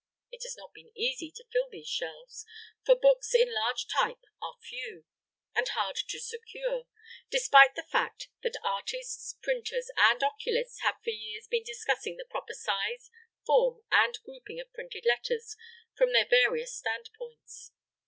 It has not been easy to fill these shelves, for books in large type are few, and hard to secure, despite the fact that artists, printers, and oculists have for years been discussing the proper size, form, and grouping of printed letters from their various standpoints.